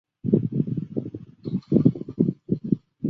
在阿波罗计划中格鲁门公司制造了登月舱。